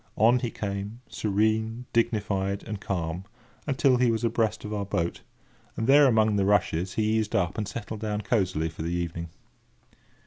On he came, serene, dignified, and calm, until he was abreast of our boat, and there, among the rushes, he eased up, and settled down cosily for the evening.